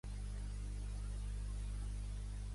El Bru es grata el cap, perplex.